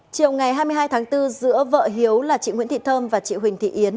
chiều ngày hai mươi hai tháng bốn giữa vợ hiếu là chị nguyễn thị thơm và chị huỳnh thị yến